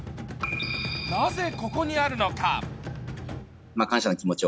なぜここにあるのか。